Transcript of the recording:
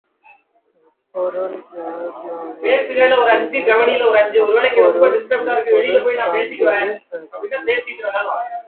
எப்பொருள் யார்யார்வாய்க் கேட்பினும் அப்பொருள் மெய்ப்பொருள் காண்பது அறிவு.